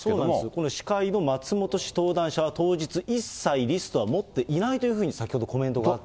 この司会の松本氏、登壇者は当日、一切リストは持っていないというふうに、先ほどコメントがあったんで。